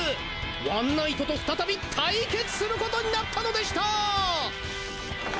ワンナイトと再び対決することになったのでしたぁ！